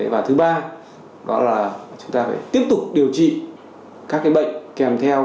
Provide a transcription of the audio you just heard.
và thứ ba đó là chúng ta phải tiếp tục điều trị các bệnh kèm theo